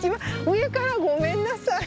上からごめんなさい。